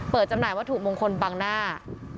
จำหน่ายวัตถุมงคลบังหน้า